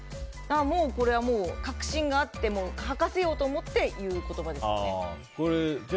これはもう、確信があって吐かせようと思って言う言葉ですよね。